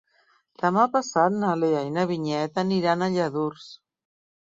Demà passat na Lea i na Vinyet aniran a Lladurs.